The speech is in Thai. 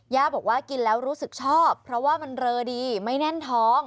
ย่าบอกว่ากินแล้วรู้สึกชอบเพราะว่ามันเรอดีไม่แน่นท้อง